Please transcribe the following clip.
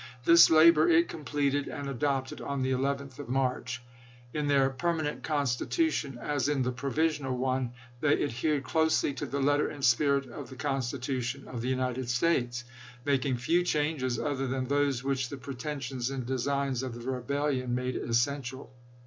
This labor it completed and adopted on the 11th of March. In their perma nent constitution, as in the provisional one, they adhered closely to the letter and spirit of the Con stitution of the United States, making few changes other than those which the pretensions and designs of the rebellion made essential.